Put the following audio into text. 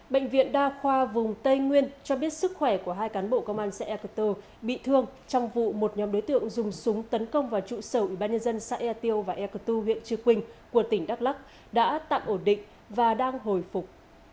bệnh viện đa khoa vùng tây nguyên cho biết sức khỏe của hai cán bộ công an xã ea cơ tơ bị thương trong vụ một nhóm đối tượng dùng súng tấn công vào trụ sở ubnd hai xã ea tiêu và ea cơ tơ huyện trư quynh của tỉnh đắk lắc đã tạm ổn định và đang hồi phục